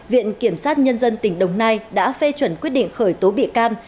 viện kiểm sát nhân dân tỉnh đồng nai đã phê chuẩn quyết định khởi tố bị can